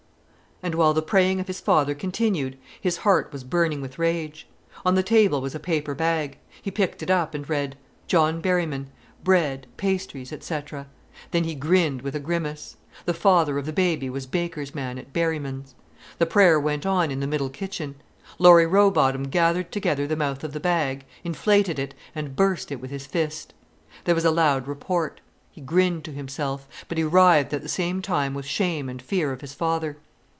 And while the praying of his father continued, his heart was burning with rage. On the table was a paper bag. He picked it up and read, "John Berryman—Bread, Pastries, etc." Then he grinned with a grimace. The father of the baby was baker's man at Berryman's. The prayer went on in the middle kitchen. Laurie Rowbotham gathered together the mouth of the bag, inflated it, and burst it with his fist. There was a loud report. He grinned to himself. But he writhed at the same time with shame and fear of his father.